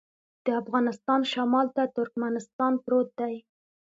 د افغانستان شمال ته ترکمنستان پروت دی